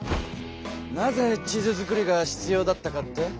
なぜ地図作りが必要だったかって？